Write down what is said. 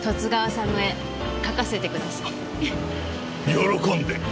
喜んで。